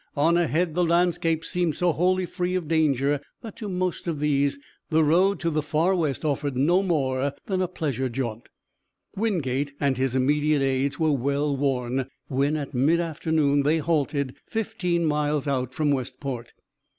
On ahead the landscape seemed so wholly free of danger that to most of these the road to the Far West offered no more than a pleasure jaunt. Wingate and his immediate aids were well worn when at mid afternoon they halted, fifteen miles out from Westport.